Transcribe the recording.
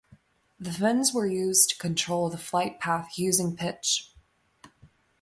The fins were used to control the flight path using pitch.